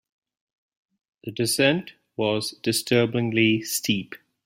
The descent was disturbingly steep.